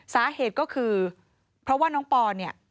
สาเหตุก็คือเพราะว่าน้องปอเนี่ย